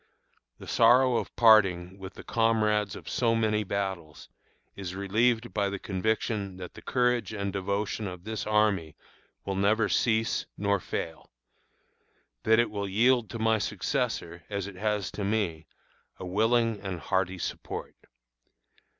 The sorrow of parting with the comrades of so many battles is relieved by the conviction that the courage and devotion of this army will never cease nor fail; that it will yield to my successor, as it has to me, a willing and hearty support.